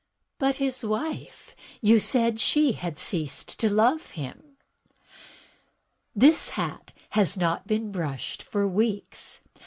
"But his wife — ^you said that she had ceased to love him." "This hat has not been brushed for weeks.